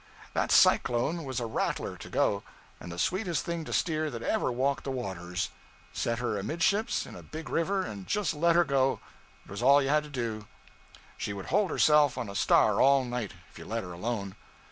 That "Cyclone" was a rattler to go, and the sweetest thing to steer that ever walked the waters. Set her amidships, in a big river, and just let her go; it was all you had to do. She would hold herself on a star all night, if you let her alone.